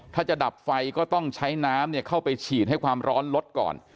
ถ้าจะดับไฟก็ต้องใช้น้ำเข้าไปฉีดให้ความร้อนลดก่อน